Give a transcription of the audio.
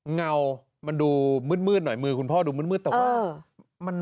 เงามันดูมืดหน่อยมือคุณพ่อดูมืดแต่ว่า